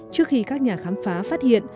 trước khi các nhà khám phá phát hiện